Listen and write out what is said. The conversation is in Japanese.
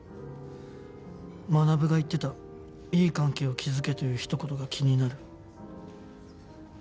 マナブが言ってた「いい関係を築け」というひと言が気になる。